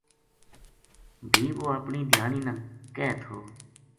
بھی وہ اپنی دھیانی نا کہہ تھو